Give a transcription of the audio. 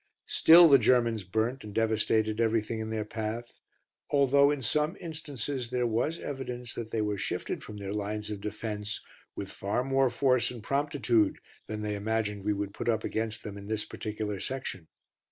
Still the Germans burnt and devastated everything in their path although, in some instances, there was evidence that they were shifted from their lines of defence with far more force and promptitude than they imagined we would put up against them in this particular section.